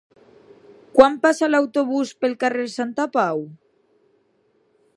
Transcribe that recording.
Quan passa l'autobús pel carrer Santapau?